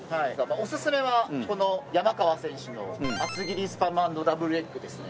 オススメはこの山川選手の厚切りスパム＆ダブルエッグですね。